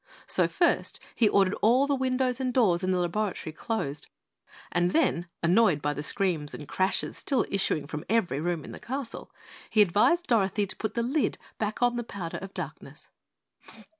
So first, he ordered all the windows and doors in the laboratory closed, then, annoyed by the screams and crashes still issuing from every room in the castle, he advised Dorothy to put the lid back on the powder of darkness.